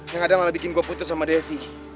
yang kadang malah bikin gue putus sama devi